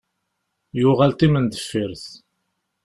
Yuɣal timendeffirt.